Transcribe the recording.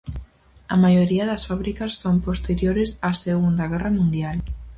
A maioría das fábricas son posteriores á Segunda Guerra Mundial.